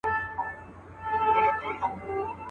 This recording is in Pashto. څوك به ژاړي په كېږديو كي نكلونه.